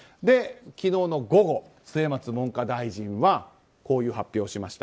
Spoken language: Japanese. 昨日の午後末松文科大臣はこういう発表をしました。